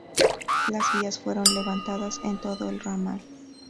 Las vías fueron levantadas en todo el ramal.